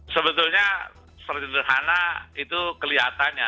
sebetulnya sederhana itu kelihatannya